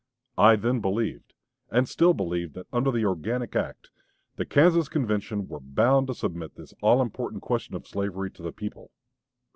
I then believed, and still believe, that under the organic act, the Kansas Convention were bound to submit this all important question of slavery to the people.